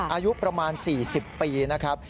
อายุประมาณ๔๐ปีนะครับ